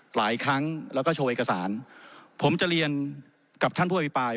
หลายครั้งแล้วก็โชว์เอกสารผมจะเรียนกับท่านผู้อภิปราย